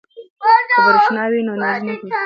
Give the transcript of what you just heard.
که برښنا وي نو انرژي نه ورکیږي.